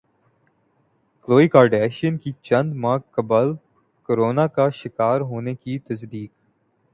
کلوئے Kardashian کی چند ماہ قبل کورونا کا شکار ہونے کی تصدیق